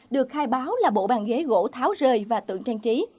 được khai báo là bộ bàn ghế gỗ tháo rời và tượng trang trí